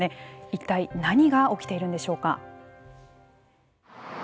一体何が起きているんでしょうか。